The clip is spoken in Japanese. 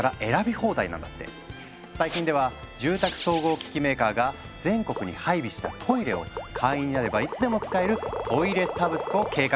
最近では住宅総合機器メーカーが全国に配備したトイレを会員になればいつでも使える「トイレサブスク」を計画中なんですって。